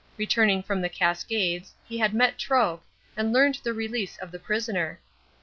Returning from the Cascades, he had met Troke, and learned the release of the prisoner.